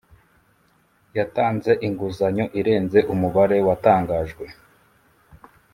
yatanze inguzanyo irenze umubare watangajwe